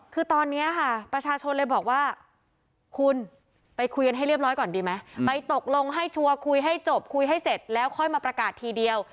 คือตอนนี้ค่ะประชาชนเลยบอกว่าคุณไปคุยกันให้เรียบร้อยก่อนดีไหมไปตกลงให้ชัวร์คุยให้จบคุยให้เสร็จแล้วค่อยมาประกาศทีเดียว